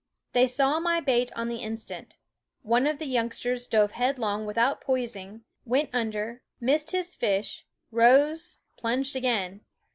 They saw my bait on the in stant. One of the youngsters dove headlong without poising, went under, missed his fish, rose, plunged again.